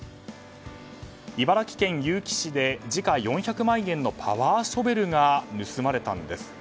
茨城県結城市で時価４００万円のパワーショベルが盗まれたんです。